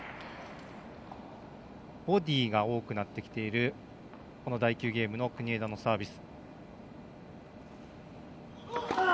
ボディーが多くなってきている第９ゲームの国枝のサービス。